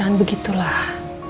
jangan begitu lah